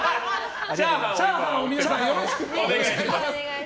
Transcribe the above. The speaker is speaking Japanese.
チャーハンを皆さんよろしくお願いします。